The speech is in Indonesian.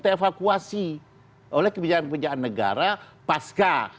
terevakuasi oleh kebijakan kebijakan negara pasca